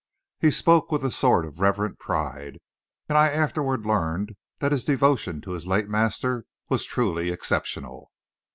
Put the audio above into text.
He spoke with a sort of reverent pride, and I afterward learned that his devotion to his late master was truly exceptional.